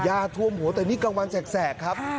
ท่วมหัวแต่นี่กลางวันแสกครับ